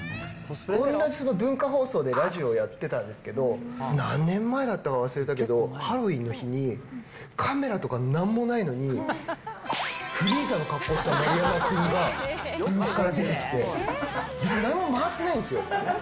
同じ文化放送でラジオをやってたんですけど、何年前だったか忘れたけど、ハロウィンの日にカメラとかなんもないのに、フリーザの格好をした丸山君がブースから出てきて、別に何も回ってないんですよ。